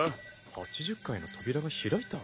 ８０階の扉が開いた？